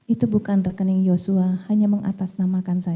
itu bukan rekening joshua hanya mengatasnamakan saja